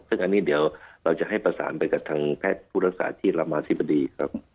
ซึ่งอันนี้เดี๋ยวเราจะให้ประสานไปกับทางแพทย์ผู้รักษาที่รามาธิบดีครับ